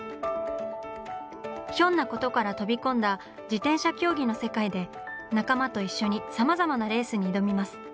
ひょんなことから飛び込んだ自転車競技の世界で仲間と一緒にさまざまなレースに挑みます。